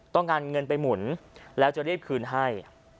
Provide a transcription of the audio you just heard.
ต้องการเงินไปหมุนแล้วจะเรียบคืนให้